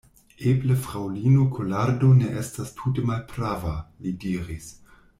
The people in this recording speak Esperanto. Eble fraŭlino Kolardo ne estas tute malprava, li diris.